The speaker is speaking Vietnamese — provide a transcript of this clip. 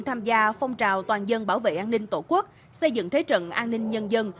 tham gia phong trào toàn dân bảo vệ an ninh tổ quốc xây dựng thế trận an ninh nhân dân